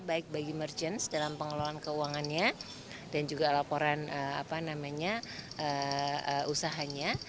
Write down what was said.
baik bagi merchant dalam pengelolaan keuangannya dan juga laporan usahanya